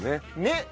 ねっ。